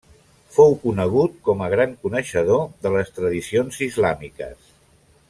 Fou conegut com a gran coneixedor de les tradicions islàmiques.